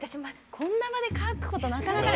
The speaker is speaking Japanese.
こんな場で書くことはなかなか。